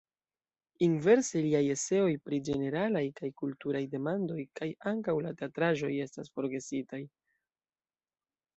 Inverse liaj eseoj pri ĝeneralaj kaj kulturaj demandoj kaj ankaŭ la teatraĵoj estas forgesitaj.